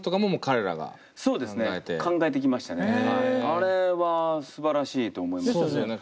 あれはすばらしいと思いましたね。